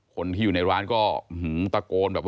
คนที่อยู่ในร้านก็หื้มตะโกน